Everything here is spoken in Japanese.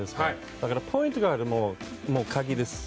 だからポイントガードが鍵です。